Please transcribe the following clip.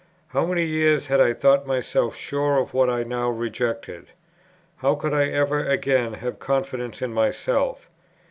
How many years had I thought myself sure of what I now rejected? how could I ever again have confidence in myself?